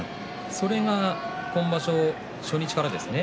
それが今場所初日からですね。